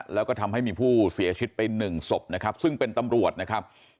แล้วก็ทำให้มีผู้เสียชีวิตไปหนึ่งศพนะครับซึ่งเป็นตำรวจนะครับ